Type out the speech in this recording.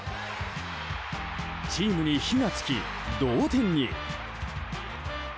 チームに火が付き、同点に。